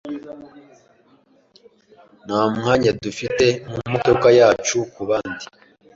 Nta mwanya dufite mu modoka yacu kubandi.